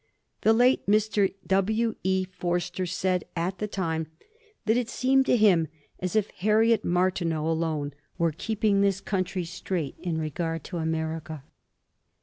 The late Mr. W. E. Forster said at the time that it seemed to him as if Harriet Martineau alone were keeping this country straight in regard to America.